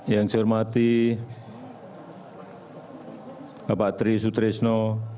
yang saya hormati bapak tri sutrisno